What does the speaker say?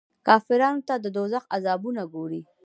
کافرانو ته د دوږخ عذابونه ګوري.